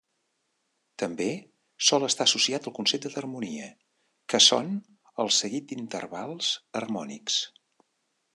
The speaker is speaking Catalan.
També, sol estar associat al concepte d'harmonia, que són el seguit d'intervals harmònics.